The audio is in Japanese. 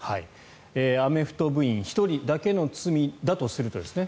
アメフト部員１人だけの罪だとするとですね。